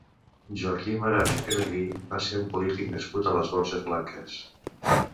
Joaquim Arana i Pelegrí va ser un polític nascut a les Borges Blanques.